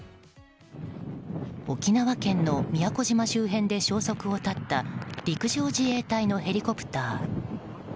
沖縄県の宮古島周辺で消息を絶った陸上自衛隊のヘリコプター。